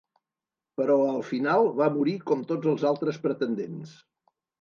Però al final va morir com tots els altres pretendents.